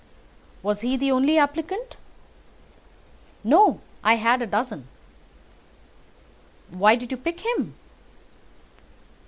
"Was he the only applicant?" "No, I had a dozen." "Why did you pick him?"